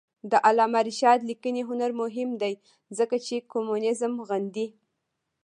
د علامه رشاد لیکنی هنر مهم دی ځکه چې کمونیزم غندي.